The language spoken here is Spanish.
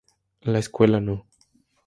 La escuela no.